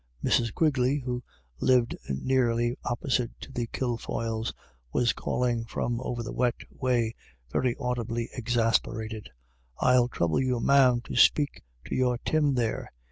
Mrs. Quigley, who lived nearly opposite to the Kil foyles, was calling from over the wet way, very audibly exasperated. * I'll throuble you, ma'am, to speak to your Tim there.